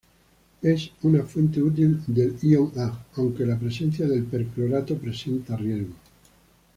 Es una fuente útil del ion Ag, aunque la presencia del perclorato presente riesgos.